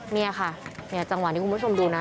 เนี่ยค่ะเนี่ยจังหวะที่คุณผู้ชมดูนะ